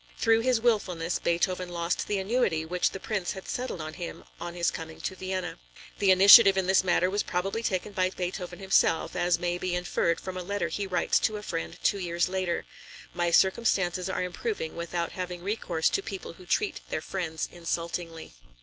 Through his wilfulness, Beethoven lost the annuity which the Prince had settled on him on his coming to Vienna. The initiative in this matter was probably taken by Beethoven himself, as may be inferred from a letter he writes to a friend two years later: "My circumstances are improving without having recourse to people who treat their friends insultingly."